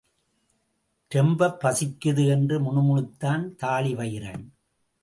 ரொம்பப் பசிக்குது என்று முணுமுணுத்தான் தாழிவயிறன்.